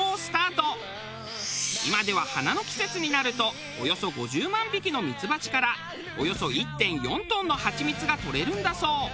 今では花の季節になるとおよそ５０万匹のミツバチからおよそ１．４トンのハチミツが採れるんだそう。